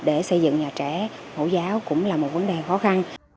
để xây dựng nhà trẻ mẫu giáo cũng là một vấn đề khó khăn